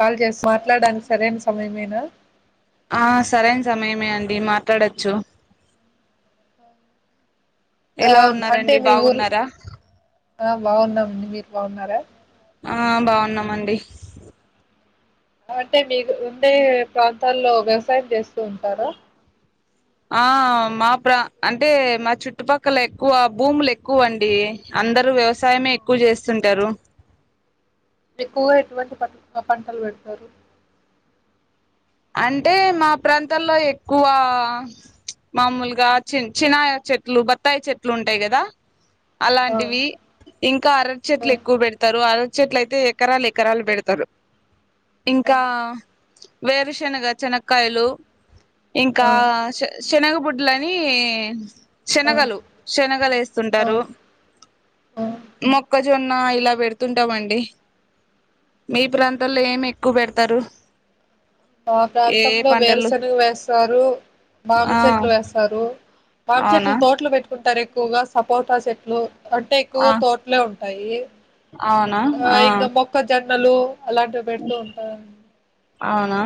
Call చేసి మాట్లాడడానికి సరైన సమయమేనా ఆ సరేైన సమయమే అండి మాట్లాడొచ్చు ఆ ఎలా అంటే ఉన్నారండి మీ ఊరు బాగున్నారా ఆ బాగున్నామండి మీర్ బాగున్నారా ఆ బాగున్నామండి అంటే మీకు ఉండే ప్రాంతాల్లో వ్యవసాయం చేస్తూ ఉంటారా ఆ మా ప్ర అంటే మా చుట్టుపక్కల ఎక్కువ భూములు ఎక్కువ అండి అందరూ వ్యవసాయమే ఎక్కువ చేస్తుంటారు ఎక్కువగా ఎటువంటి ప పంటలు పెడతారు అంటే మా ప్రాంతంలో ఎక్కువ మామూలుగా చి చిినాయ చెట్లు బత్తాయి చెట్లు ఉంటాయి కదా ఆ అలాంటివి ఇంకా అరటి ఆ చెట్లు ఎక్కువ పెడతారు అర చెట్ల అయితే ఎకరాలు ఎకరాలు పెడతారు ఆ ఇంకా వేరుష్ చెనగా చెనక్కయలు ఇంకా ఆ శనగ బుడ్ ఇట్లని శనగలు శనగలు ఆ ఆ వేస్తుంటారు ఆ మొక్కజొన్ ఇలా పెడుతుంటామండి మీ ప్రాంతాల్లో ఏమి ఎక్కువ పెడతారు మా ఏ ఏ ప్రాంతంలో పంటలు వేరుశనగు వేస్తారు ఆ మామిడి చెట్లు వేస్తారు మాం అవునా చెట్లు తోట్లు పెట్టుకుంటా టారు ఎక్కువగా సపోటా చెట్లు అంటే ఆ ఎక్కువగా తోటలే ఉం టాయి అవునా ఆ న్నలు అలాంటివి పెడుతూ ఉంటారడి అవునా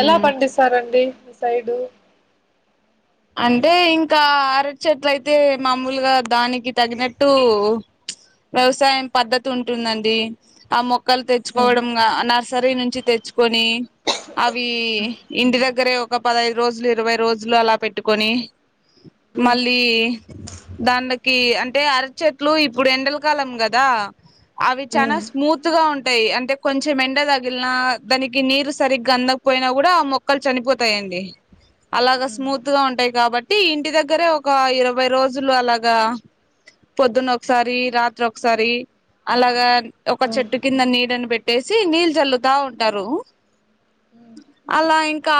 ఎలా పండిస్తారండి మీ సైడు అంటే ఇంకా అరటి చెట్లు అయితే మామూలుగా దానికి తగినట్టు వ్యవసాయం పద్ధతి ఉంటుందండి ఆ మొక్ క్కలు ఉమ్ తెచ్చుకోవడం ఇంగ నర్స్ సరీ నుంచి తెచ్ కొని అవి ఇంటి దగ్ ద్గర ఒక పదయిదు రోజులు ఇరవై రోజులు అలా పెట్ ఇట్టుకని ఉమ్ మళ్ళీ దాకి అంటే అరచెట్లు ఇప్పుడు ఎండలకాలం కదా అవి చాలా ఉమ్ స్మూత్ గా ఉంటాయి అంటే కొంచెం ఎండ తగిలినా దానికి నీరు సరిగ్గా అందకపోయినా కూడా ఆ మొక్కలు చనిపోతాయిండి అలాగా ఉమ్ స్మూత్ గా ఉంటాయి కాబట్టి ఇంటి దగ్గరే ఒక ఇరవై రోజులు అలాగా పొద్దున్న ఒకసారి రాత్రి ఒకసారి అలాగా ఒక ఉమ్ చెట్టు కింద నీడని పెట్టేసి నీళ్ళ చల్లుతా ఉంటారు ఉమ్ అలా ఇంకా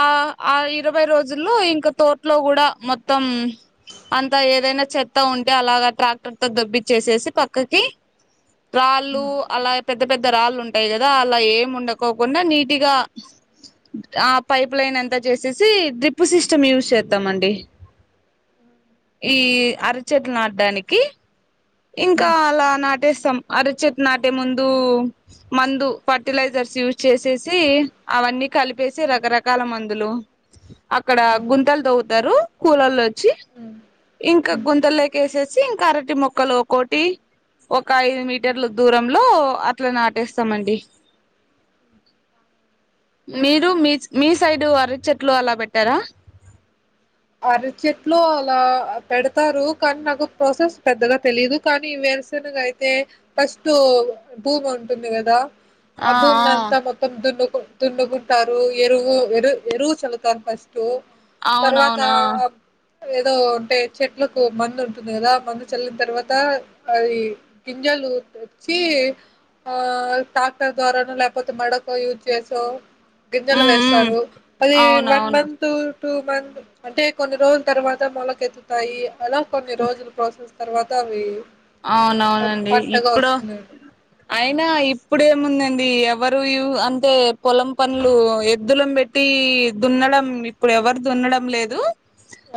ఆ ఇరవై రోజులు ఇంకా తో ఇట్లో కూడా మొత్తం అంత ఏదైనా చెత్త ఉంటే అలాగా ట్రాక్టర్ తో దబ్బిచ్చేసేసి పక్కకి రాళ్ళు అలాగ పెద్ద పెద్ద రాళ్ళు ఉంటాయి కదా అలా ఏం ఉండకోకుండా నీట్గా ఆ పైప్ లైన్ అంతా చేసేసి డ్రిప్పు సిస్టమ్ యూస్ చేస్ తామండి ఈ అరచట్లు నాటడానికి ఇంకా అలా నాటి ట్టేస్తాం అరచట్ నాటే ముందు మందు ఫర్టిలైజర్స్ యూజ్ చేసేసి అవన్నీ కలిపేసి ఉమ్, రకరకాల మందులు అక్కడ గుంతలు తో ద్దారు కూలాల్లో వచ్చి ఉమ్, ఇంకా ఉమ్. గుంతల్లోకేసే సి ఇంకారటి మో క్క లోకోటి ఒక ఐదు మీటర్ల దూరంలో అట్లా నాటేస్తామండి మీరు మీ మీ సైడ్ అర చెట్లు అలా పెట్టారా అర చెట్లు అలా పెడతారు కానీ నాకు ప్రాసెస్ పెద్దగా తెలిదు కానీ వేరుసనగా అయితే ఫస్ట్ భూమి ఉంటుంది కదా ఆ అబూ నంతా మొత్తం దను తుండుకుంటారు ఎరువు ఎరు ఎరువు చలువుతారు ఫస్ట్ టు తర్వాత అవునవునా ఆ ఏదో అంటే చెట్లకు మందు ఉంటుంది కదా మందు చల్లిన తర్వాత అది గింజాలు తెచ్చి ఆ ట్రాక్టర్ ద్వారాను లేకపోతే మడక యూజ్ చేసో గింజలు ఉమ్ ఉమ్ వేస్తారు అది వన్ అవునవును మంత్ టూ మంత్ అంటే కొన్ని రోజుల తర్వాత మొలకెత్తుతాయి అలా కొన్ని రోజులు ప్రాసెస్ తర్వాత అవి అవునవునండి పంటగా ఇప్పుడు వస్తుంది అయినా ఇప్పుడేముందండి ఎవరు అంటే పొలం పనులు ఎద్దులం పెట్టి దున్నడం ఇప్పుడు ఎవరు దున్నడం లేదు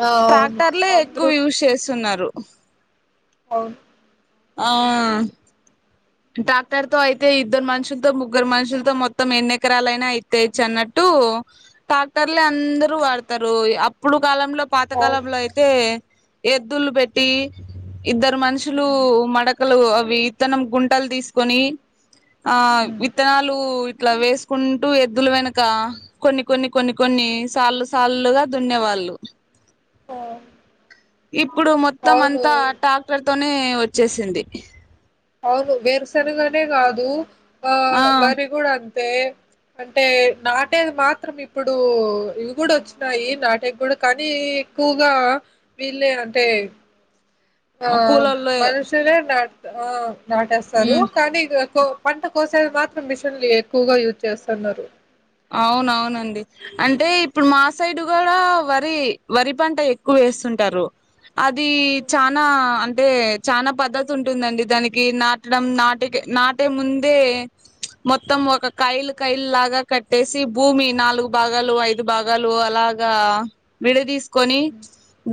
ఆ అవును ట్రాక్టర్ లో అందరూ ఎక్కువ యూస్ చేసి తున్నారు అవను ఆ ట్రాక్టర్ తో అయితే ఇద్దరు మనుషులతో ముగ్గురు మనుషులతో మొత్తం ఎన్నిెకరాలయినా అయితేచ్చు అన్నట్టు డాక్టర్లే అందరుూ వాడతారు అప్పుడు కాలంలో అవును పాతకాలంలో అయితే ఎద్దులు పెట్టి ఇద్దరు మనుషులు ఉమ్ మడ అవి ఇతనం గుంట బట్టలు తీసుకొని ఆ ఉమ్ విత్తనాలు ఇట్లా వేసుకుంటూ ఎద్దులు వెనక కొన్ని కొన్ని కొన్ని కొన్ని సాల్లు సాల్లుగా దున్నేవాళ్ళు ఓ ఇప్పుడు మొత్తం అంతా ట్రాక్టర్ తోని నే వచ్చేసింది అవును వేరుశనగ గానే కాదు ఆ వరీ గుడ్ అన్ తే అంటే నాటేది మాత్రం ఇప్పుడు ఇవి కూడా వచ్చినాయి నాటే కూడా కానీ ఎక్కువగా వీళ్ళే అంటే ఆ కూలోళ్ళు మనసునా నాట్ ఆ నాటేస్తారు ఉమ్ కానీ ఇగ కో పంట కోసం తా మాతృ మిషన్లు ఎక్కువగా యూజ్ చేస్తున్నారు అవును అవును అండి అంటే ఇప్పుడు మా సైడు కూడా వరి వరి పంట ఎక్కువ వేస్తుంటారు అది చానా అంటే చానా పద్ధతి ఉంటుంది అండి దానికి నాటడం నాటిక నాటే ముందే మొత్తం ఒక కయలు కయలు లాగా కట్టేసి భూమి నాలుగు భాగాలు ఐదు భాగాలు అలాగా విడదీస్ కొని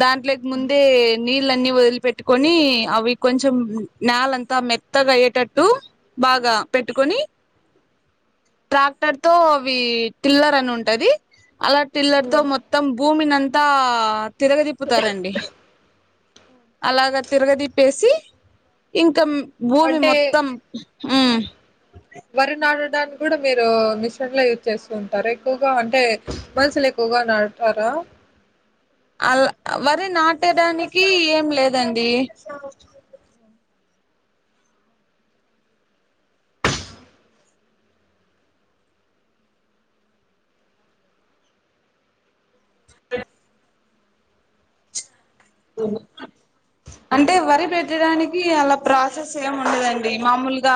దాంట్లోకి ముం టే నీళ్ళన్ని వదిలిపెట్టుకొని అవి కొంచెం నలంతా మెత్తగా అయ్యేటట్టు బాగా పెట్టుకొని ట్రాక్టర్ తో అవి టిల్లర్ అని ఉంటది అలా టిల్లర్ తో మొత్తం భూమిని అంతా తిరగదిప్పుతారండి అలాగ అని తిరగదిప్పేసి ఇంకామ్ భూమి అంటే మొత్తం ఉ వరి నాటడానికి కూడా మీరు మిషను లో యూజ్ చేస్తూ ఉంటారు ఎక్కువగా అంటే మనుషులు ఎక్కువగా నాటరా వరి నాటడానికి ఏం లేదండి అంటే వరి పెట్టడానికి అలా ప్రాసెస్ ఏమి ఉండదండి మామూలు గా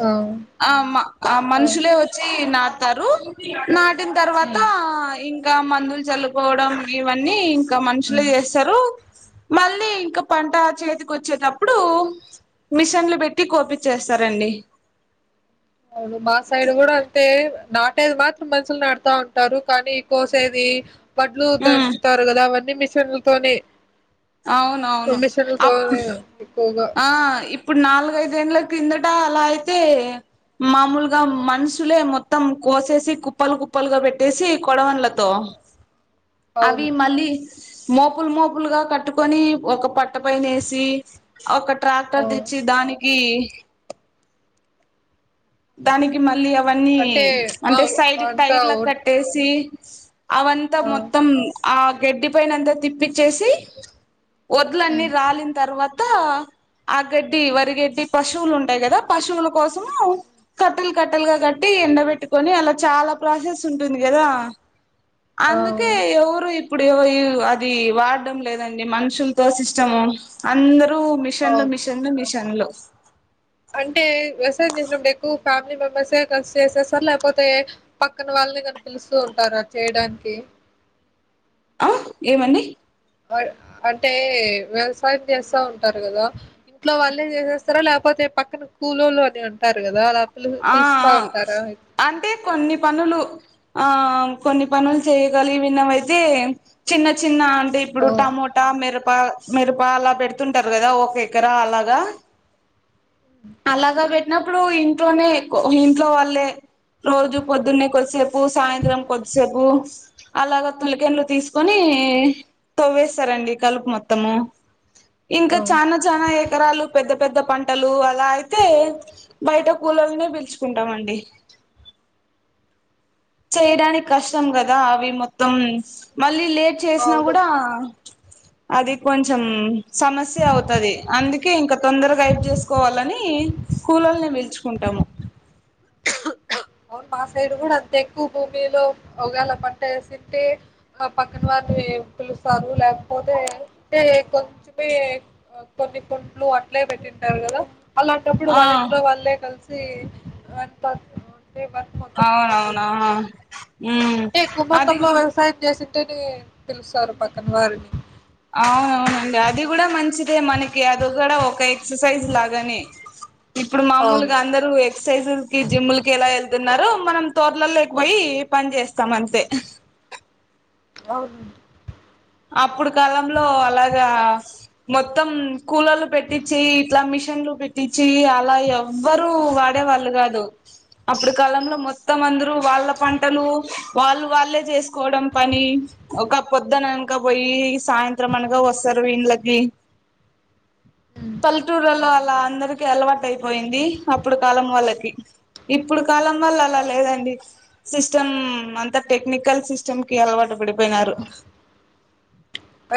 ఆ ఆ ఆ మనుషులే వచ్చి తి నాటుతారు నాటిన తర్వాత ఉమ్ ఇంకా మందులు చల్లుకోవడం ఇవన్నీ ఇంకా మనుషులే ఉమ్ చేస్తారు మళ్ళీ ఇంకా పంట చేతికి వచ్చేటప్పుడు మిషన్లు పెట్టి కోపిచ్చేస్తారండి అవును మా సైడ్ కూడా అంతే నాటేది మాత్రం మనుషులు నాటుతా ఉంటారు కానీ కోసేది వడ్లు ఉమ్ దంచుతారు కదా అవన్నీ మీస్ పిల్ తోనే అవునవును కమిషర్ అప్ కాలేద ఉక్ ఆ ఇప్పుడు నాలుగు ఐదు ఏళ్లు కిందట అలా అయితే మామూలుగా మనుషులే మొత్తం కోసేసి కుప్పలు కుప్పలుగా పెట్టేసి కొడవలతో అవి అవును మళ్ళీ మోపులు మోపులుగా కట్టుకొని ఒక పట్ట పైన ఏసి ఆ ఒకట్ ట్రాక్టర్ ఆ తెచ్చి దానికి ఈ దానికి మళ్ళీ అప్ అవన్నీ అంటే ఆ అంటే సైడ్ అంతా టైర్ల ఓట్ కట్టేసి అవంతా ఆ మొత్తం ఆ గడ్డి పైన అంతా తిప్పచ్చేసి వడ్లన్నీ హ్మ్ రాలిన తర్వాత అంత ఆ గడ్డి వరిగడ్డి పశువులు ఉంటాయి కదా పశువుల కోసము కట్టలు కట్టలుగా కట్టి ఎండ బెట్టుకొని అలా చాలా ప్రాసెస్ ఉంటుంది కదా ఆ అందుకే ఎవరు ఇప్పుడు ఏవో అది వాడడం లేదండి మనుషులతో సిస్టము అందరు రు ఆ మిషన్ లో మిషన్లు మిషన్ ఎన్లో నేను రేపు ఎక్కువ ఫ్యామిలీ మెంబర్సే కలిసి చేసేస్తా లేకపోతే పక్కన వాళ్ళని కనిపిలుస్తూ ఉంటారా చేయడానికి ఆ ఏమండి ఆక్ అంటే వ్యవసాయం చేస్తా ఉంటారు కదా ఇంట్లో వాళ్ళే చేసేస్తారా లేకపోతే పక్కన కూలోళ్ళు అని ఉంటారు కదాఅలా ఆ ఆ అంటే కొన్ని పనులు ఆ కొన్ని పనులు చేయగలి విన్నవైతే చిన్న చిన్న టే ఇప్పుడు ఆ టమోటా మిరప ప మిరప అలా పెడుతుంటారు కదా ఒక ఎకరా అలాగా అలాగా పెట్టినప్పుడు ఇ ట్లోనే ఇంట్లో వాళ్లేే రోజు పొద్దున్నే కొద్దిసేపు సాయంత్రం కొద్దిసేపు అలాగ తులికెండలు తీసుకొని తవ్వేస్తారండి కలుపు మొత్తము హ్మ్. ఇంకా ఆ చానా చానా ఎకరాలు పెద్ద పెద్ద పంటలు అలా అయితే బయట కూలోళ్లను పిల్లుచుకుంటామండి చేయడానికి కష్టం కదా అవి మొత్తం మళ్ళీ లేట్ చేసినా అవును కూడా అది కొంచెం సమస్య అవుతది అందుకే ఇంకా తొందరగా హైప్ చేసుకోవాలని కూలోళ్లను పిలుచుకుంటాము అవును మా సైడ్ కూడా అంత ఎక్కువ భూమిలో ఒకవేళ పంట ఏసీ ఉంటే మా పక్కన వారిని పిలుస్తారు లేకపోతే అంటే కొంచమే కొన్ని కుడ్లు అట్లే పెట్టింటారు కదా అలాంటప్పుడు ఆ వాళ్ళ ఇంట్లో వాళ్ళే కలిసి సి అ ప అవునవునా ఉమ్ అది కూడా అంటేనే పిలుస్తారు పక్కన వారు అవున అవునండి అది కూడా మంచిదే మనకి అది కూడా ఒక ఎక్సర్సైజ్ లాగానే ఇప్పుడు అవును మామూలుగా అందరు ఎక్సర్సైజులకి జిమ్ములకి ఎలా వెళ్ న్నారో మనం తోర్లలో లేకపోయి పని చేస్తాం అంతే అవును అప్పుడు కాలంలో అలాగా మొత్తం కూలోళ్ళు పెట్టించి ఇట్లా మిషన్లు పెట్టించి అలా ఎవ్వరు వాడే వాళ్ళు కాదు అప్పుడు కాలంలో మొత్తం అందరు వాళ్ళ పంటలు వాళ్ళు వాళ్ళే చేసుకోవడం ఉమ్, పని ఒక అప్పుడు ద్ద నా ఇక పోయి సాయంత్రం అనగా వస్తరు వీళ్ళకి ఉమ్, ఉమ్, పల్లెటూర్లలో అ అందరికి అలవాటు అయిపోయింది అప్పుడు కాలం వాళ్ళకి ఇప్పుడు కాలం వల్ల అలా అవును లేదండి సిస్టమ్ అంతా టెక్నికల్ సిస్టమ్ కి అలవాటు పడిపోయినారు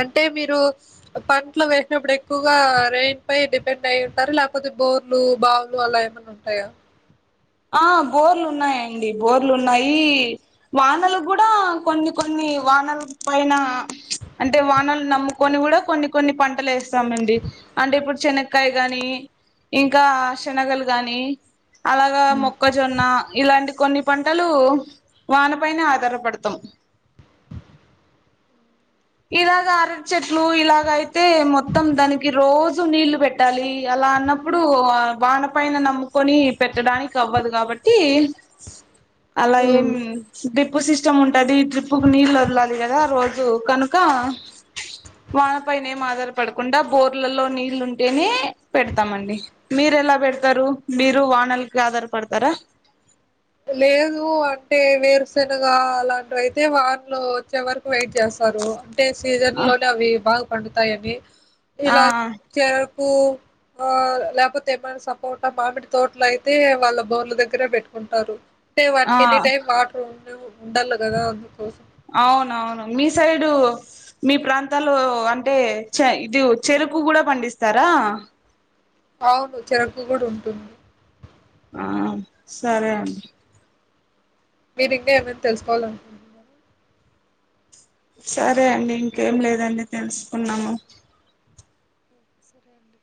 అంటే మీరు పంటలో వేసినప్పుడు ఎక్కువగా రెయిన్ పై డిపెండ్ అయి ఉంటారు లేకపోతే బోర్లు బావులు అలా ఏమైనా ఉంటాయా ఆ బోర్లు ఉన్నాయండి బోర్లు ఉన్నాయి వానలు కూడా కొన్ని కొన్ని వానలు పైన అంటే వానలు నమ్ముకొని కూడా కొన్ని కొన్ని పంటలు వేస్తామండి అంటే ఇప్పుడు శనకాయ గాని ఇంకా శనగలు గానీ అలా మొక్కజొన్న ఇలాంటి కొన్ని పంటలు వాన పైనే ఆధారపడతాం ఇలాగ అరటి చెట్లు ఇలాగ అయితే మొత్తం దానికి రోజు నీళ్ళలు పెట్టాలి అలా అన్నప్పుడు వాన పైన నమ్ముకొని పెట్టడం అవ్వదు కాబట్టి అలా ఉమ్ ఏమ్ డీ డ్రిప్పు సిస్టమ్ ఉంటంది ట్రిప్పుకు నీళ్లు వదలాలి కదా రోజు కనుక వాన పైన ఏం ఆధారపడకుండా బోర్లలో నీళ్ళ ఉంటేనే పెడతామండి మీరు ఎలా పెడతారు మీరు వాన ఆదార పడతారా లేదు అంటే వేరుశెనగా అలాంటి అయితే వాన్లో వచ్చే వరకు వెయిట్ చేస్తారు సీజన్ లోనే అవి బా పండుతాయని ఆ ఇలా చే ఉ ఆ లేకపోతే ఏమన సపోట మామిడి తోటల అయితే వాళ్ళ బోర్ల దగ్గర పెట్టుకుం టారు అంటే ఆ వాటికి ఎనీటైమ్ వాటర్ ఉండళ్ళ కదా అందుకు అవునవును మీ సైడు మీ ప్రాంతాలు అంటే ఇది చెరుకు కూడా పండిస్తారా అవును చెరకు కూడు ఉంటుంది ఆ సరే అండి మీరి ఇంకా ఏమైనా తెలుసుకోవాలి అనుకుంటునారా సరే అండి ఇంకేం లేదండి తెలుసుకున్నాము ఓకే, సరే అండి